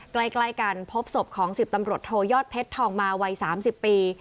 ใกล้กันพบศพของ๑๐ตำรวจโทยอดเพชรทองมาวัย๓๐ปี